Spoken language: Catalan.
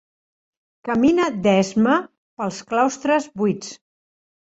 Camina d'esma pels claustres buits.